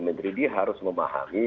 menteri dia harus memahami